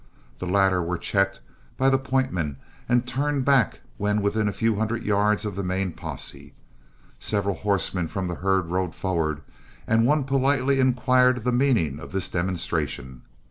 The latter were checked by the point men and turned back when within a few hundred yards of the main posse. Several horsemen from the herd rode forward, and one politely inquired the meaning of this demonstration.